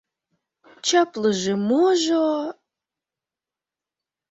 Чаплыже-можо...